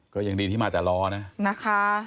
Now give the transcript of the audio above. ก็ยังดีที่มาแต่ล้อนะ